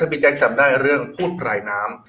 พี่แจ๊คจำได้เรื่องพูดปลายน้ำ